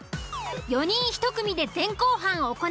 ４人１組で前後半行い